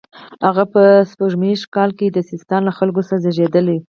هغه په سپوږمیز کال کې د سیستان له خلکو څخه زیږېدلی.